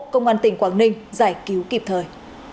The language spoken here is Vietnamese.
công an tỉnh quảng ninh giải cứu kịp thời